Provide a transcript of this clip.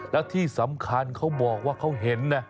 แล้วที่สำคัญเขาบอกว่าเขาเห็นนะ